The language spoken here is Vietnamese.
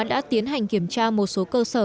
đã tiến hành kiểm tra một số cơ sở